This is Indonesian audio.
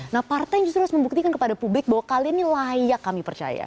nah partai justru harus membuktikan kepada publik bahwa kalian ini layak kami percaya